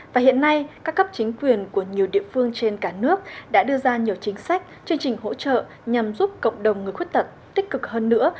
và hiện nay các cấp chính quyền của nhiều địa phương trên cả nước đã đưa ra nhiều chính sách chương trình hỗ trợ nhằm giúp cộng đồng người khuyết tật tích cực hơn nữa